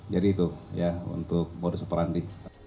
jadi itu ya untuk modus operandi